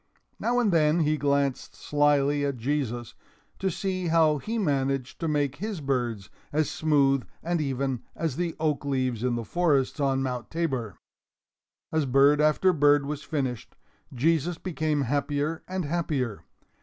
Now and then he glanced slyly at Jesus, to see how he managed to make his birds as smooth and even as the oak leaves in the forests on Mount Tabor. As bird after bird was finished, Jesus became happier and happier.